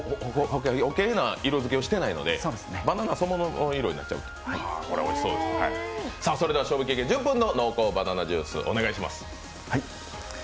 余計な色づけをしていないのでバナナそのものの色になっちゃう、賞味期限１０分の濃厚バナナジュース、お願いします。